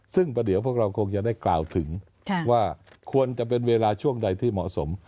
ซึ่งเดี๋ยวพวกเราคงจะได้กล่าวถึงว่าควรจะเป็นเวลาช่วงใดที่เหมาะสม